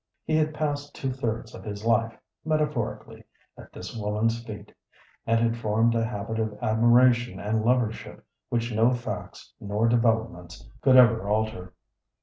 He had passed two thirds of his life, metaphorically, at this woman's feet, and had formed a habit of admiration and lovership which no facts nor developments could ever alter.